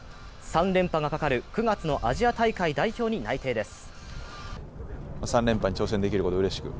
３連覇がかかる９月のアジア大会代表に内定です。